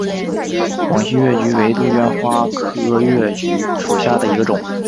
广西越桔为杜鹃花科越桔属下的一个种。